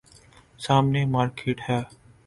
سامنے مارکیٹ ہے۔